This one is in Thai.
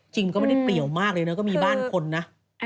ก็ไม่ได้เปรียวมากเลยนะก็มีบ้านคนนะ